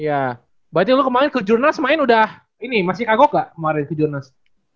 iya berarti lu kemaren ke jurnas main udah ini masih kagok gak kemaren ke jurnas